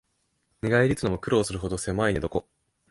寝返りうつのも苦労するほどせまい寝床